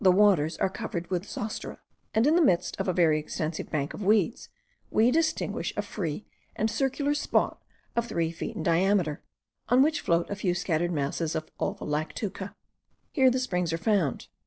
The waters are covered with zostera; and in the midst of a very extensive bank of weeds, we distinguish a free and circular spot of three feet in diameter, on which float a few scattered masses of Ulva lactuca. Here the springs are found.